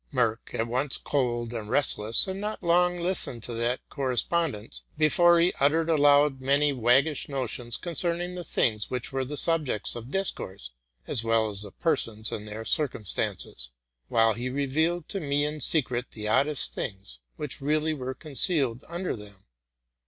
Merck, at once cold and restless, had not long listened to that correspondence before he uttered aloud many waggish notions concerning the things which were the sunjects of discourse, as well as the persons and their cir cumstances ; while he revealed to me in secret the oddest things, which really were concealed under them.